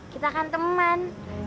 kita kan teman